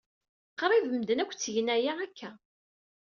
Qrib medden akk ttgen aya akka.